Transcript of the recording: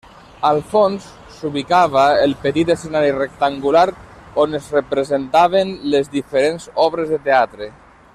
Al fons s'ubicava el petit escenari rectangular on es representaven les diferents obres de teatre.